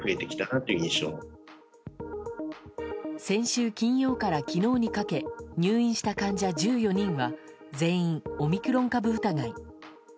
先週金曜から昨日にかけ入院した患者１４人は全員オミクロン株疑い。